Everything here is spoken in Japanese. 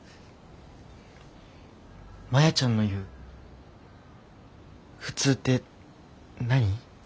マヤちゃんの言う「普通」って何？